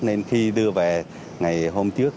nên khi đưa về ngày hôm trước